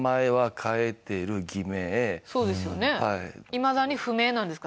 いまだに不明なんですか？